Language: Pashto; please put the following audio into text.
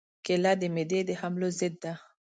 کېله د معدې د حملو ضد ده.